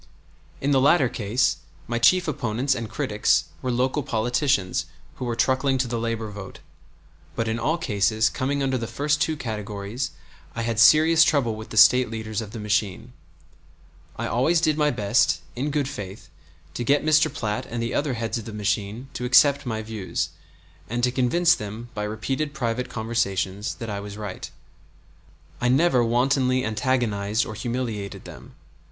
In the latter case my chief opponents and critics were local politicians who were truckling to the labor vote; but in all cases coming under the first two categories I had serious trouble with the State leaders of the machine. I always did my best, in good faith, to get Mr. Platt and the other heads of the machine to accept my views, and to convince them, by repeated private conversations, that I was right. I never wantonly antagonized or humiliated them.